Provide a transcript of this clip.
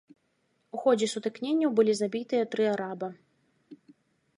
У ходзе сутыкненняў былі забітыя тры араба.